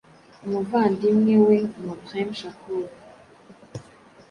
umuvandimwee we Mopreme Shakur,